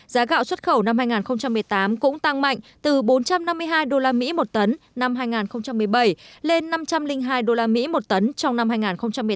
giá gạo xuất khẩu năm hai nghìn một mươi tám cũng tăng mạnh từ bốn trăm năm mươi hai usd một tấn năm hai nghìn một mươi bảy lên năm trăm linh hai usd một tấn trong năm hai nghìn một mươi tám